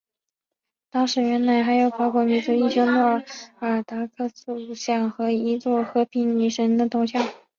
当时园内还有法国民族英雄诺尔达克塑像和一座和平女神铜像。